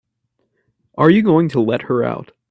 Are you going to let her out?